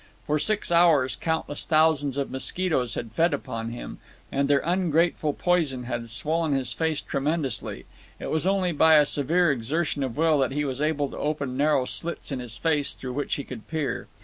For six hours countless thousands of mosquitoes had fed upon him, and their ungrateful poison had swollen his face tremendously. It was only by a severe exertion of will that he was able to open narrow slits in his face through which he could peer.